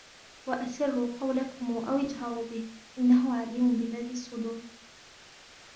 وَأَسِرُّوا قَوْلَكُمْ أَوِ اجْهَرُوا بِهِ إِنَّهُ عَلِيمٌ بِذَاتِ الصُّدُورِ